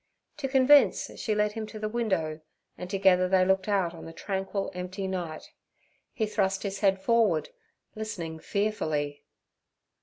To convince she led him to the window, and together they looked out on the tranquil, empty night. He thrust his head forward, listening fearfully.